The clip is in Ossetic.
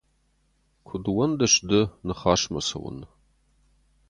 Куыд уӕндыс ды ныхасмӕ цӕуын?